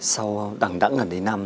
sau đẳng đẳng gần đấy năm